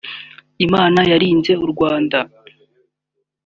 Imana yarinze u Rwanda